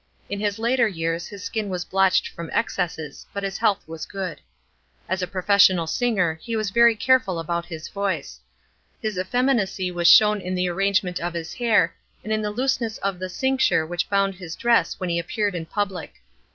In his later years his skin was blotched from excesses ; but his health was good. As a professional singer, he was very careful about his voice. His effeminacy was shown in the arrangement of his hair, and in the looseness of the cincture which bound his dress when he appeared m public.